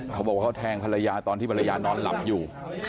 เขาบอกว่าเขาแทงภรรยาตอนที่ภรรยานอนหลับอยู่